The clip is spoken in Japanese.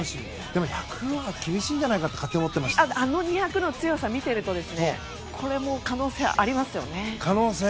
でも、１００は厳しいんじゃないかってあの２００の強さを見ていると可能性がありますよね。